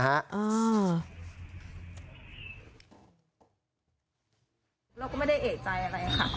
เราก็ไม่ได้เอกใจอะไรค่ะ